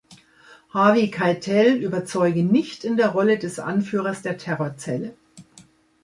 Harvey Keitel überzeuge nicht in der Rolle des Anführers der Terrorzelle.